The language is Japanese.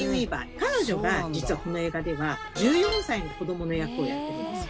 彼女が、実はこの映画では１４歳の子どもの役をやってるんですよ。